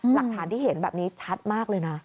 หลักฐานที่เห็นแบบนี้ชัดมากเลยนะ